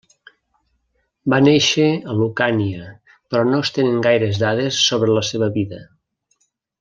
Va néixer a Lucània però no es tenen gaires dades sobre la seva vida.